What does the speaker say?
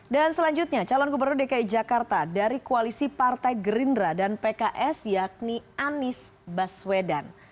dan selanjutnya calon gubernur dki jakarta dari koalisi partai gerindra dan pks yakni anis baswedan